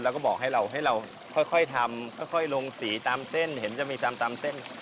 แล้วก็บอกให้เราให้เราค่อยทำค่อยลงสีตามเส้นเห็นจะมีตามเส้น